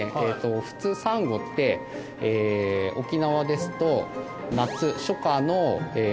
普通サンゴって沖縄ですと初夏の夜にですね